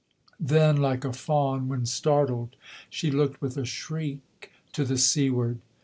Then, like a fawn when startled, she looked with a shriek to the seaward.